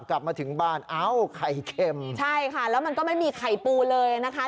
กลับมาถึงบ้านเอ้าไข่เค็มใช่ค่ะแล้วมันก็ไม่มีไข่ปูเลยนะคะ